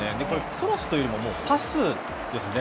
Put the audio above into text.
クロスというよりも、パスですね。